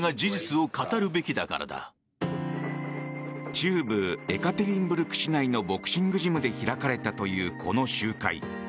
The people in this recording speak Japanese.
中部エカテリンブルク市内のボクシングジムで開かれたというこの集会。